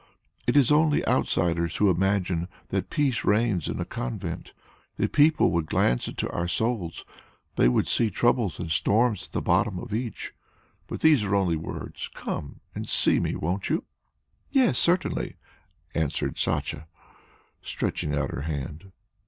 It is only outsiders who imagine that peace reigns in a convent. If people could glance into our souls, they would see troubles and storms at the bottom of each. But these are only words! Come and see me, won't you?" "Yes, certainly!" answered Sacha, stretching out her hand.